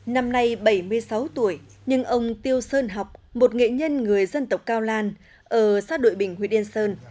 năm nay bảy mươi sáu tuổi nhưng ông tiêu sơn học một nghệ nhân người dân tộc cao lan ở xác đội bình huy điên sơn